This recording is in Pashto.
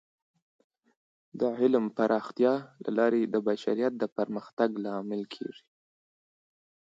د علم د پراختیا له لارې د بشریت د پرمختګ لامل کیږي.